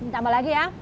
ditambah lagi ya